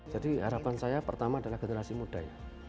jadi harapan saya pertama adalah generasi muda ya